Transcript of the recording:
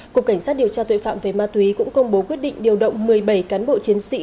cục cảnh sát điều tra tội phạm về ma túy cũng công bố quyết định điều động một mươi bảy cán bộ chiến sĩ